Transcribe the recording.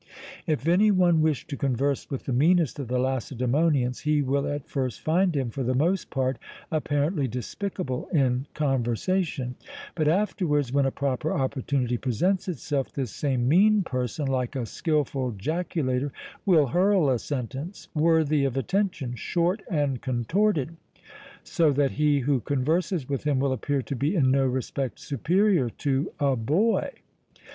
"If any one wish to converse with the meanest of the Lacedæmonians, he will at first find him, for the most part, apparently despicable in conversation; but afterwards, when a proper opportunity presents itself, this same mean person, like a skilful jaculator, will hurl a sentence, worthy of attention, short and contorted; so that he who converses with him will appear to be in no respect superior to a boy!